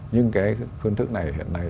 nhưng cái phương thức này hiện nay